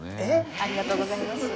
ありがとうございます。